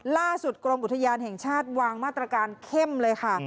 กรมอุทยานแห่งชาติวางมาตรการเข้มเลยค่ะ